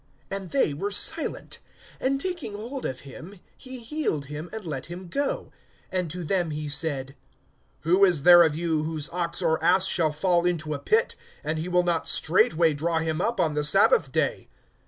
And they were silent. (4)And taking hold of him, he healed him, and let him go. (5)And to them he said: Who is there of you, whose ox or ass[14:5] shall fall into a pit, and he will not straightway draw him up on the sabbath day?